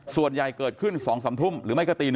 ส่วนใหญ่เกิดขึ้น๒๓ทุ่มหรือไม่ก็ตี๑๒